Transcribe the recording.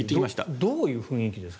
どういう雰囲気ですか？